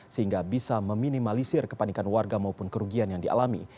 sehingga bisa meminimalisir kepanikan warga maupun kerugian yang dialami